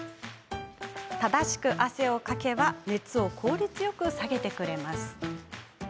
正しく汗をかけば熱を効率よく下げてくれます。